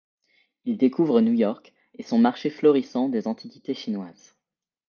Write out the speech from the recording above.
Il découvre New York et son marché florissant des antiquités chinoises.